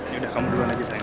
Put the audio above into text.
yaudah kamu duluan aja sayang